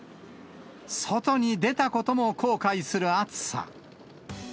外に出たことも後悔する暑さ。